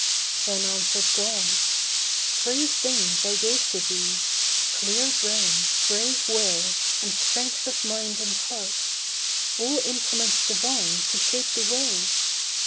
Then answered God: 'Three things I gave to thee— Clear brain, brave will, and strength of mind and heart, All implements divine, to shape the way.